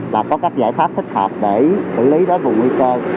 và có các giải pháp thích hợp để xử lý đến vùng nguy cơ